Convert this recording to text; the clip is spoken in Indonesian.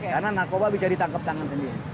karena narkoba bisa ditangkap tangan sendiri